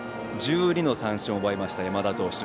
１２の三振を奪いました山田投手。